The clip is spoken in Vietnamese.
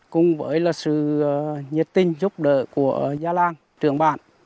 cùng với sự nhiệt tình giúp đỡ của gia làng trưởng bản